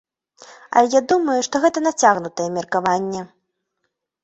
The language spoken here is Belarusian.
Але я думаю, што гэта нацягнутае меркаванне.